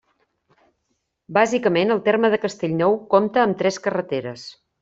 Bàsicament, el terme de Castellnou compta amb tres carreteres.